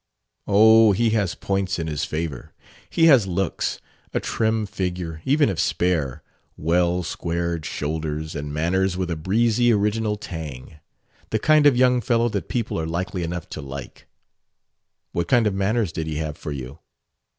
"Oh, he has points in his favor. He has looks; a trim figure, even if spare; well squared shoulders; and manners with a breezy, original tang. The kind of young fellow that people are likely enough to like." "What kind of manners did he have for you?"